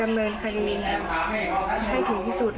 จะให้ตำรวจดำเนินคดีให้ถึงที่สุด